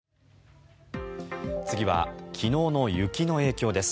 次は昨日の雪の影響です。